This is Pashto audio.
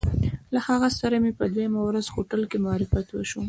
له هغه سره مې په دویمه ورځ هوټل کې معرفت وشو.